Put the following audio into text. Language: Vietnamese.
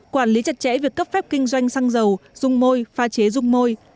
quản lý chặt chẽ việc cấp phép kinh doanh xăng dầu dung môi pha chế dung môi